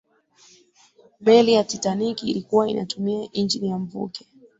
meli ya titanic ilikuwa inatumia injini ya mvuke